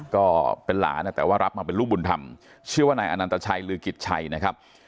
ก็เป็นหลานแต่ว่ารับมาเป็นลูกบุญธรรมชื่อว่านายอนันตชัยลือกิจชัยนะครับ